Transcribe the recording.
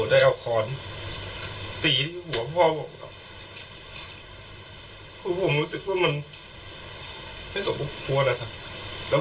ได้เอาคอนตีหัวพ่อกับผมรู้สึกว่ามันไม่สมควรนะครับแล้ว